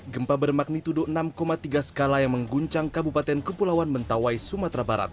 gempa bermagnitudo enam tiga skala yang mengguncang kabupaten kepulauan mentawai sumatera barat